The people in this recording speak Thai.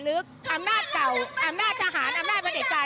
อำนาจเก่าอำนาจทหารอำนาจประเด็จการ